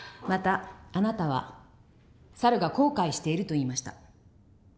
またあなたは猿が後悔していると言いました。